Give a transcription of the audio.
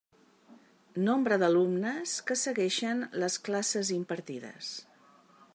Nombre d'alumnes que seguixen les classes impartides.